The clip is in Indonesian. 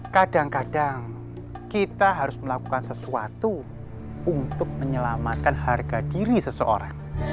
kadang kadang kita harus melakukan sesuatu untuk menyelamatkan harga diri seseorang